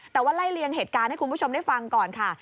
แต่ว่าไล่เลียงเหตุการณ์ให้คุณผู้ชมได้ฟังก่อนค่ะ